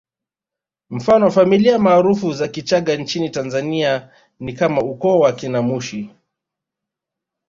Mfano familia maarufu za Kichaga nchini Tanzania ni kama ukoo wa akina Mushi